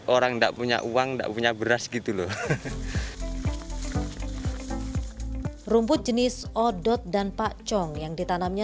orang enggak punya uang enggak punya beras gitu loh rumput jenis odot dan pak cong yang ditanamnya